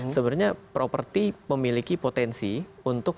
sebenarnya properti memiliki potensi untuk